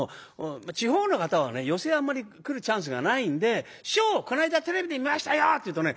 地方の方はね寄席はあんまり来るチャンスがないんで「師匠この間テレビで見ましたよ」って言うとね